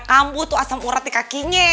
ambu tuh asam urat di kakinya